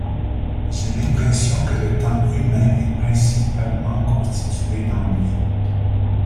J'ai l'impression que le temps humain est principalement constitué d'ennui.